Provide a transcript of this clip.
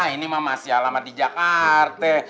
ini mah masih alamat di jakarta